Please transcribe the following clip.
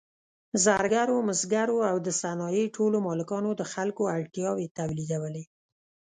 زرګرو، مسګرو او د صنایعو ټولو مالکانو د خلکو اړتیاوې تولیدولې.